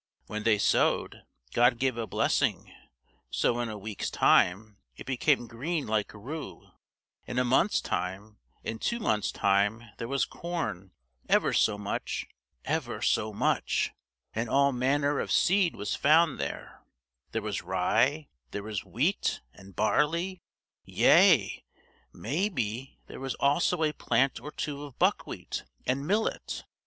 When they sowed, God gave a blessing; so in a week's time it became green like rue; in a month's time, in two months' time, there was corn, ever so much ever so much, and all manner of seed was found there: there was rye, there was wheat and barley; yea, maybe, there was also a plant or two of buckwheat and millet.